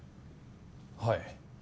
はい。